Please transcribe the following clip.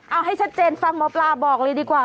เอาให้ชัดเจนฟังหมอปลาบอกเลยดีกว่า